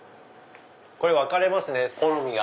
これ分かれますね好みが。